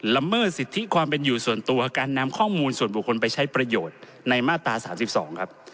ละเมิดสิทธิความเป็นอยู่ส่วนตัวการนำข้อมูลส่วนบุคคลไปใช้ประโยชน์ในมาตรา๓๒ครับ